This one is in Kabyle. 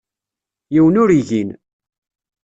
Yiwen ur igin.